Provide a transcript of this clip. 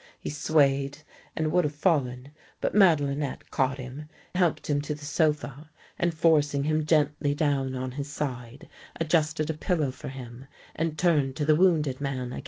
He swayed and would have fallen, but Madelinette caught him, helped him to the sofa, and, forcing him gently down on his side, adjusted a pillow for him, and turned to the wounded man again.